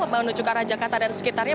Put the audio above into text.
menuju ke arah jakarta dan sekitarnya